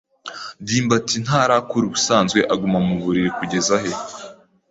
ndimbati ntarakura Ubusanzwe aguma mu buriri kugeza h.